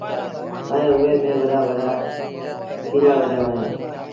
ائيٚݩ اُئي ميݩ وڏآ وڏآ ڪيٚريآ ڪڍيآ وهيݩ دآ